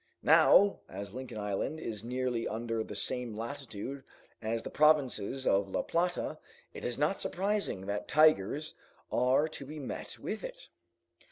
Now, as Lincoln Island is nearly under the same latitude as the provinces of La Plata, it is not surprising that tigers are to be met with in it."